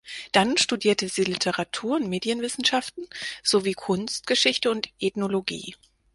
Dann studierte sie Literatur- und Medienwissenschaften, sowie Kunstgeschichte und Ethnologie.